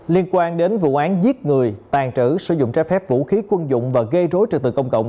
liên quan đến vụ án giết người tàn trữ sử dụng trái phép vũ khí quân dụng và gây rối trừ tự công cộng